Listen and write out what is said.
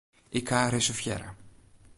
Ik ha reservearre.